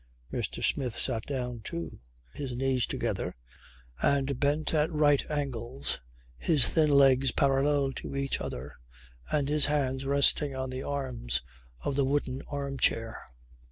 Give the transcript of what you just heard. Mr. Smith sat down too, his knees together and bent at right angles, his thin legs parallel to each other and his hands resting on the arms of the wooden arm chair.